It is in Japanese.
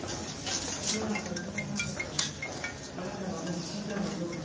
骨なんかうずめなくたってあなたはもう死んだも同然。